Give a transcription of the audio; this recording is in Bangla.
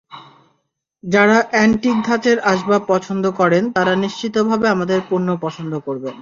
যারা অ্যান্টিক ধাঁচের আসবাব পছন্দ করেন, তাঁরা নিশ্চিতভাবে আমাদের পণ্য পছন্দ করবেন।